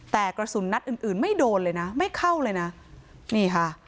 แต่กระสุนนัดอื่นอื่นไม่โดนเลยนะไม่เข้าเลยนะนี่ค่ะ